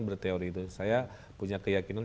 berteori itu saya punya keyakinan